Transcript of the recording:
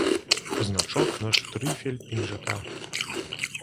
Значок на штрыфель пінжака.